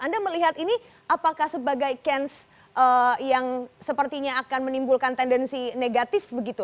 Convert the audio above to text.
anda melihat ini apakah sebagai cance yang sepertinya akan menimbulkan tendensi negatif begitu